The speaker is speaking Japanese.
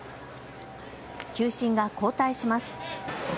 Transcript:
球審が交代します。